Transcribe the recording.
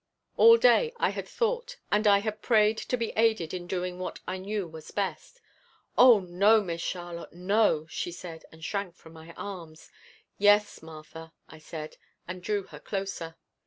All day I had thought and I had prayed to be aided in doing what I knew was best. "Oh, no, Miss Charlotte, no," she said, and shrank from my arms. "Yes, Martha," I said, and drew her closer.